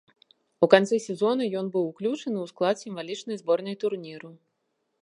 У канцы сезона ён быў уключаны ў склад сімвалічнай зборнай турніру.